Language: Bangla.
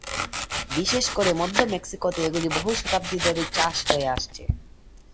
বিশেষ করে মধ্য মেক্সিকোতে এগুলি বহু শতাব্দী ধরে চাষ হয়ে আসছে।